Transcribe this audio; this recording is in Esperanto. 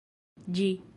Ĝi